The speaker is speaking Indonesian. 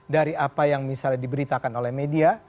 dari apa yang misalnya diberitakan oleh media